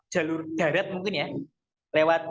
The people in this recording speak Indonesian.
jalur darat mungkin ya lewat